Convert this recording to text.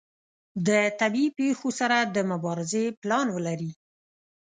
د طبیعي پیښو سره د مبارزې پلان ولري.